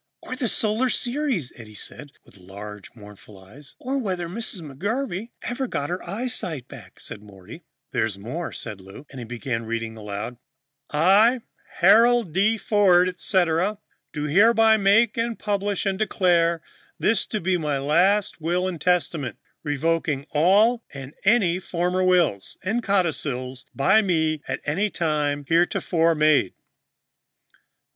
"Or the Solar Series," Eddie said, with large mournful eyes. "Or whether Mrs. McGarvey got her eyesight back," added Morty. "There's more," said Lou, and he began reading aloud again: "'I, Harold D. Ford, etc., do hereby make, publish and declare this to be my last Will and Testament, revoking any and all former wills and codicils by me at any time heretofore made.'"